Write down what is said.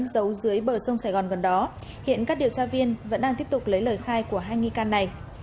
giấu dưới bờ sông sài gòn gần đó hiện các điều tra viên vẫn đang tiếp tục lấy lời khai của hai nghi can này